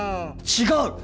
違う！